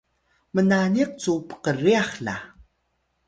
mnaniq cu pkryax la